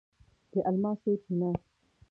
د الماسو چینه